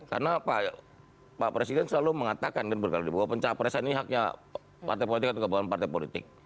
karena pak presiden selalu mengatakan kan berkala dibawa pencapresan ini haknya partai politik atau kebawahan partai politik